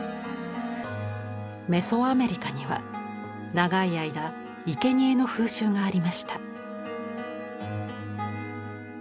メソアメリカには長い間いけにえの風習がありました。